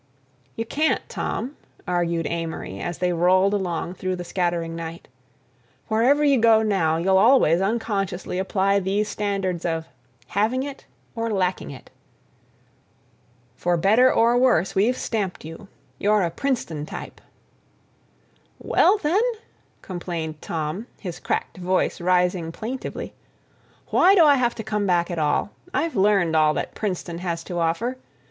"You can't, Tom," argued Amory, as they rolled along through the scattering night; "wherever you go now you'll always unconsciously apply these standards of 'having it' or 'lacking it.' For better or worse we've stamped you; you're a Princeton type!" "Well, then," complained Tom, his cracked voice rising plaintively, "why do I have to come back at all? I've learned all that Princeton has to offer.